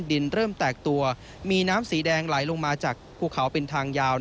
ดินเริ่มแตกตัวมีน้ำสีแดงไหลลงมาจากภูเขาเป็นทางยาว